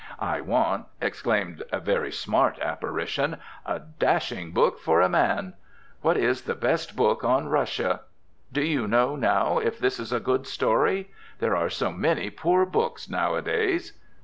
"I want," exclaimed a very smart apparition, "a dashing book for a man!" "What is the best book on Russia?" "Do you know, now, if this is a good story? there are so many poor books nowadays."